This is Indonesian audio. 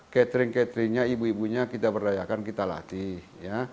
catering cateringnya ibu ibunya kita berdayakan kita latih ya